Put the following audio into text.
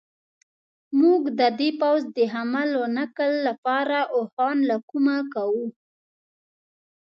موږ به د دې پوځ د حمل و نقل لپاره اوښان له کومه کوو.